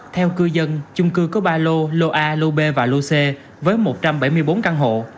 theo cư dân chung cư có ba lô lô a lô b và lô c với một trăm bảy mươi bốn căn hộ